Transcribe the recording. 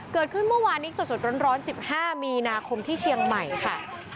เมื่อวานนี้สดร้อน๑๕มีนาคมที่เชียงใหม่ค่ะ